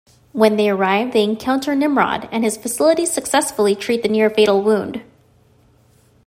When they arrive, they encounter Nimrod, and his facilities successfully treat the near-fatal wound.